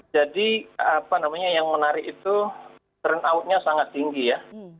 jadi apa namanya yang menarik itu turnout nya sangat tinggi ya